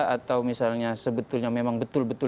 atau misalnya sebetulnya memang betul betul